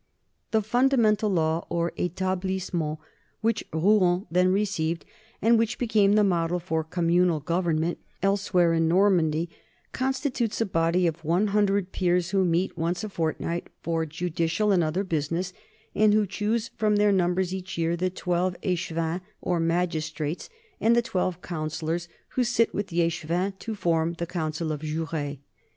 The fundamental law, or Etablissements, which Rouen then received and which became the model for communal government elsewhere in Normandy, constitutes a body of one hundred peers who meet once a fortnight for judi cial and other business and who choose from their num ber each year the twelve Schevins, or magistrates, and the twelve councillors who sit with the Schevins to form the council of juris.